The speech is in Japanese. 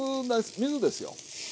水ですよ。